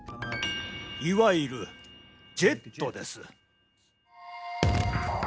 いわゆる「ジェット」です。